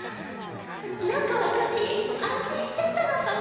なんか私安心しちゃったのかな。